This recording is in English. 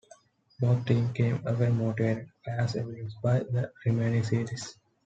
Both teams came away motivated, as evidenced by the remaining series.